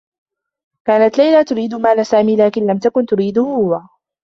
كانت ليلى تريد مال سامي لكن لم تكن تريده هو.